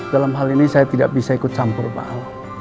dalam hal ini saya tidak bisa ikut campur pahal